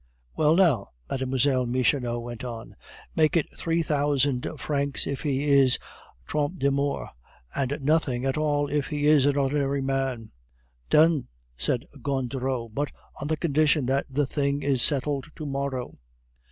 "Well, now," Mlle. Michonneau went on, "make it three thousand francs if he is Trompe la Mort, and nothing at all if he is an ordinary man." "Done!" said Gondureau, "but on the condition that the thing is settled to morrow."